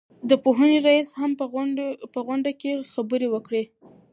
د پوهنې رئيس هم په غونډه کې خبرې وکړې.